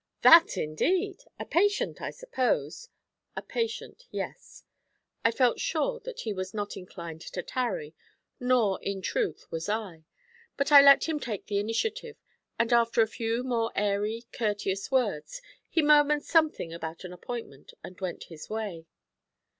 'That, indeed! A patient, I suppose?' 'A patient, yes.' I felt sure that he was not inclined to tarry, nor in truth was I; but I let him take the initiative, and after a few more airy, courteous words he murmured something about an appointment, and went his way.